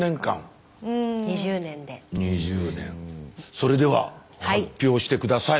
それでは発表して下さい。